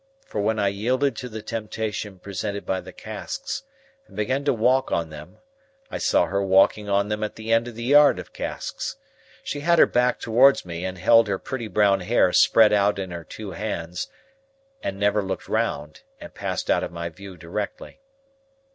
For when I yielded to the temptation presented by the casks, and began to walk on them, I saw her walking on them at the end of the yard of casks. She had her back towards me, and held her pretty brown hair spread out in her two hands, and never looked round, and passed out of my view directly.